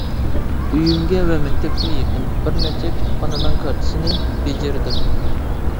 ئۆيۈمگە ۋە مەكتەپكە يېقىن بىرنەچچە كۇتۇپخانىنىڭ كارتىسىنى بېجىردىم.